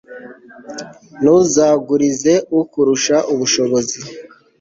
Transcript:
ntuzagurize ukurusha ubushobozi